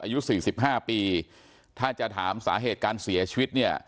อายุ๔๕ปีถ้าจะถามสาเหตุการเสียชีวิตเนี่ย